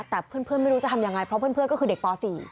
แต่เพื่อนไม่รู้จะทำยังไงเพราะเพื่อนก็คือเด็กป๔